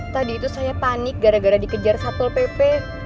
tadi itu saya panik gara gara dikejar satpol pp